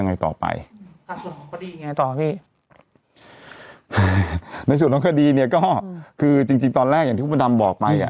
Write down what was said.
ในส่วนต้องคดีเนี่ยก็คือจริงตอนแรกอย่างที่คุณประดับบอกไป